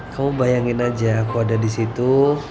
kamu bayangin aja aku ada disitu